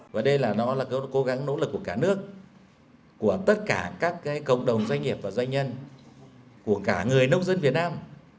và đây là nó là cái cố gắng nỗ lực của cả nước của tất cả các cộng đồng doanh nghiệp và doanh nhân của cả người nông dân việt nam